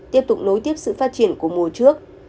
tiếp tục nối tiếp sự phát triển của mùa trước